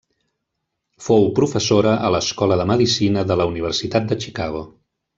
Fou professora a l'Escola de medicina de la Universitat de Chicago.